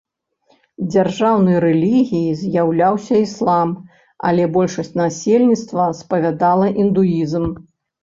Дзяржаўнай рэлігіяй з'яўляўся іслам, але большасць насельніцтва спавядала індуізм.